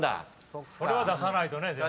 それは出さないとね。